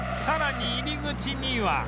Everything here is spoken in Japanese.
さらに入り口には